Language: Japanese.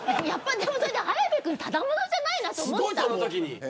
それで綾部君ただ者じゃないなと思った。